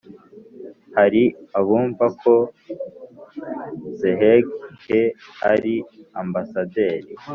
Hari abumva ko Zheng He ari ambasaderi